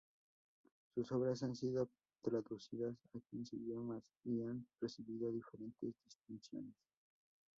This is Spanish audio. Sus obras han sido traducidas a quince idiomas y han recibido diferentes distinciones.